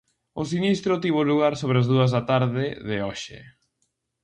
O sinistro tivo lugar sobre as dúas da tarde de hoxe.